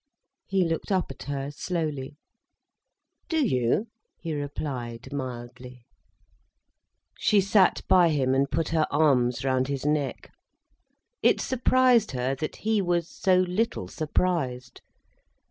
He looked up at her slowly. "Do you?" he replied mildly. She sat by him und put her arms round his neck. It surprised her that he was so little surprised.